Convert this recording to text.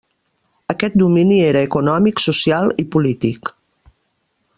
Aquest domini era econòmic, social i polític.